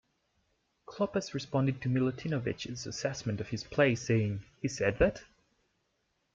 Klopas responded to Milutinovic's assessment of his play saying, He said that?